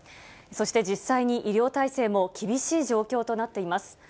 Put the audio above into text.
そして実際に医療体制も厳しい状況となっています。